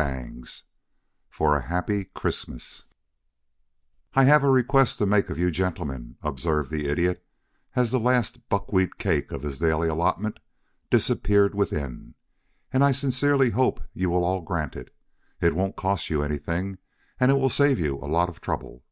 XVIII FOR A HAPPY CHRISTMAS "I have a request to make of you gentlemen," observed the Idiot, as the last buckwheat cake of his daily allotment disappeared within. "And I sincerely hope you will all grant it. It won't cost you anything, and will save you a lot of trouble."